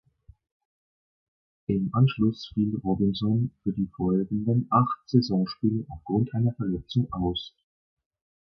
Im Anschluss fiel Robinson für die folgenden acht Saisonspiele aufgrund einer Verletzung aus.